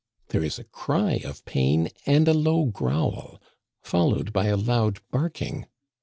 There is a cry of pain and a low growl, followed by a loud barking.